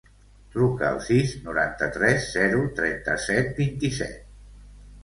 Truca al sis, noranta-tres, zero, trenta-set, vint-i-set.